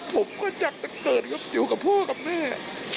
ผมก็จะเกิดอยู่กับพ่อกับแม่